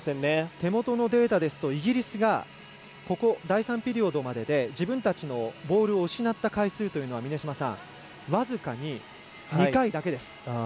手元のデータですとイギリスが第３ピリオドまでで自分たちのボールを失った回数というのは峰島さん、僅かに２回だけです。